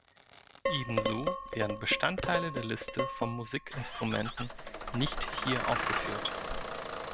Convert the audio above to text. Ebenso werden Bestandteile der Liste von Musikinstrumenten nicht hier aufgeführt.